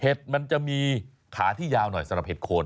มันจะมีขาที่ยาวหน่อยสำหรับเห็ดโคน